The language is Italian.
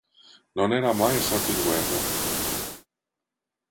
Non era mai stato in guerra.